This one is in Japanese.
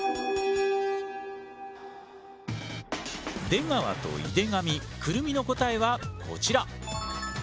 出川と井手上来泉の答えはこちら！